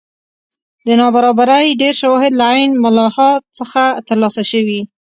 د نابرابرۍ ډېر شواهد له عین ملاحا څخه ترلاسه شوي.